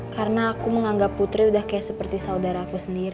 karena aku menganggap putri udah kayak seperti saudara aku sendiri